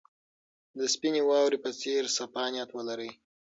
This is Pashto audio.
د سپینې واورې په څېر صفا نیت ولرئ.